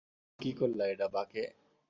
কি করলা এইডা, বাকে?